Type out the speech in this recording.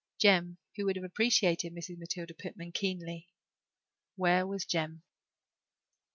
Jem who would have appreciated Mrs. Matilda Pitman keenly where was Jem?